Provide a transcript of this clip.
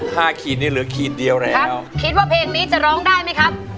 ขีดนี่เหลือขีดเดียวเลยครับคิดว่าเพลงนี้จะร้องได้ไหมครับ